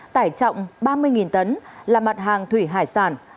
tải trọng ba mươi tấn là mặt hàng thủy hải sản